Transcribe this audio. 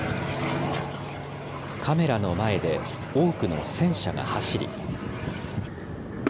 カメラの前で多くの戦車が走り。